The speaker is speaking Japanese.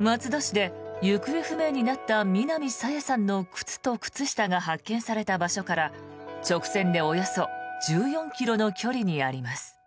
松戸市で行方不明になった南朝芽さんの靴と靴下が発見された場所から直線でおよそ１４ｋｍの距離にあります。